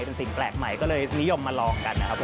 เป็นสิ่งแปลกใหม่ก็เลยนิยมมาลองกันนะครับผม